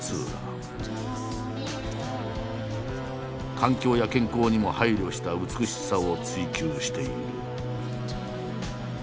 環境や健康にも配慮した美しさを追求している。